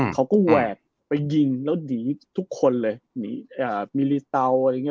เขาก็แหวกไปยิงแล้วดีทุกคนเลยมิลลิเตาส์อะไรอย่างเงี้ย